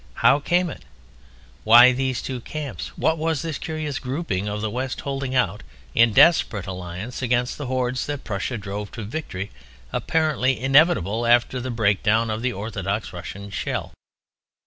How came it? Why these two camps? What was this curious grouping of the West holding out in desperate Alliance against the hordes that Prussia drove to a victory apparently inevitable after the breakdown of the Orthodox Russian shell?